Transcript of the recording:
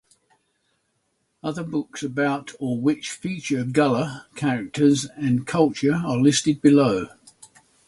Other books about or which feature Gullah characters and culture are listed below.